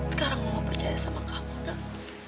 sekarang mama percaya sama kamu nak